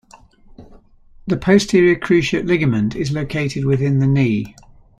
The posterior cruciate ligament is located within the knee.